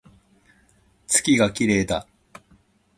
月が綺麗だ